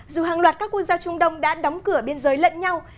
dù hàng loạt các quốc gia trung đông đã đóng cửa biên giới lận nhau